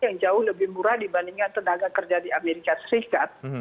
yang jauh lebih murah dibandingkan tenaga kerja di amerika serikat